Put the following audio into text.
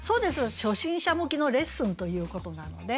初心者向きのレッスンということなので。